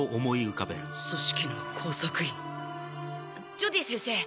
ジョディ先生